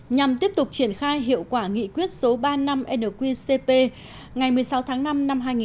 nhằm tiếp tục triển khai hiệu quả nghị quyết số ba mươi năm nqcp ngày một mươi sáu tháng năm năm hai nghìn một mươi